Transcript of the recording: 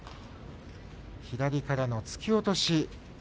左からの突き落とし。